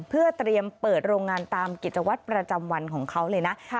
เพื่อเตรียมเปิดโรงงานตามกิจวัตรประจำวันของเขาเลยนะ